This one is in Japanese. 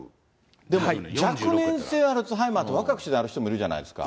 でも若年性アルツハイマーって、若くしてなる人もいるじゃないですか。